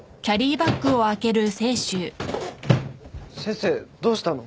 先生どうしたの？